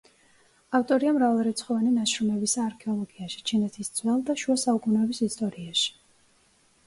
ავტორია მრავალრიცხოვანი ნაშრომებისა არქეოლოგიაში, ჩინეთის ძველ და შუა საუკუნეების ისტორიაში.